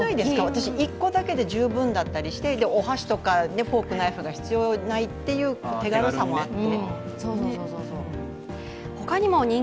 私、１個だけで十分だったりしてお箸とか、フォーク、ナイフが必要ないっていう手軽さもあって。